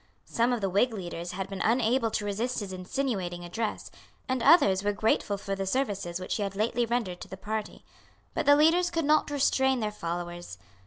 Some of the Whig leaders had been unable to resist his insinuating address; and others were grateful for the services which he had lately rendered to the party. But the leaders could not restrain their followers.